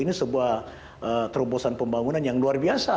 ini sebuah terobosan pembangunan yang luar biasa